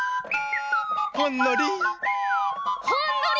ほんのり。